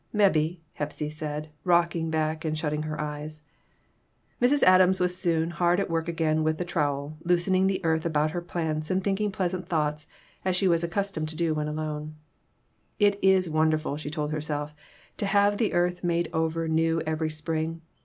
" Mebbe," Hepsy said, rocking back and shut ting her eyes. Mrs. Adams was soon hard at work again with the trowel, loosening the earth about her plants and thinking pleasant thoughts, as she was accus tomed to do when alone. "It is wonderful," she told herself, "to have the earth made over new every Spring.